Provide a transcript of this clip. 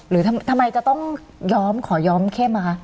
หรือทำไมจะต้องย้อมขอย้อมเข้มอะคะ